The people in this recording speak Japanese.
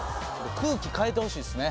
空気変えてほしいですね